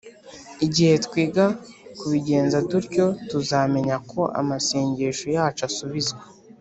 . Igihe twiga kubigenza dutyo, tuzamenya ko amasengesho yacu asubizwa.